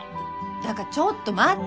だかちょっと待って。